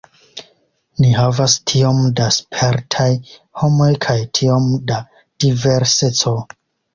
Ni havas tiom da spertaj homoj kaj tiom da diverseco.